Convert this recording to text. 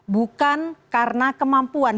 bukan karena kemampuan